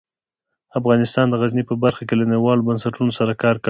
افغانستان د غزني په برخه کې له نړیوالو بنسټونو سره کار کوي.